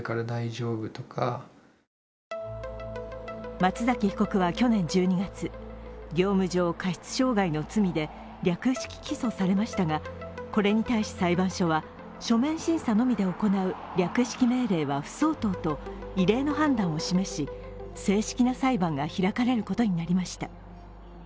松崎被告は去年１２月業務上過失傷害の罪で略式起訴されましたが、これに対し裁判所は書面審査のみで行う略式命令は不相当と異例の判断を示し、正式な裁判が開かれることになりました。